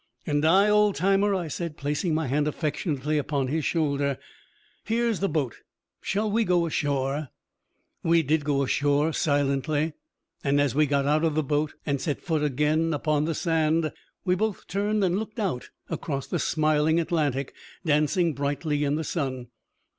"And I, old timer," I said, placing my hand affectionately upon his shoulder. "Here's the boat. Shall we go ashore?" We did go ashore, silently. And as we got out of the boat, and set foot again upon the sand, we both turned and looked out across the smiling Atlantic, dancing brightly in the sun.